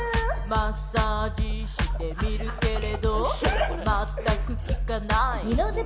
マッサージしてみるけれど全く効かない二の腕